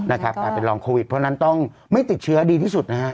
กลายเป็นรองโควิดเพราะฉะนั้นต้องไม่ติดเชื้อดีที่สุดนะฮะ